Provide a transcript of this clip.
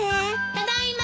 ・ただいま。